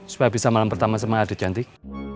supaya bisa malam pertama sama adit cantik